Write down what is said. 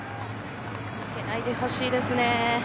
負けないでほしいですね。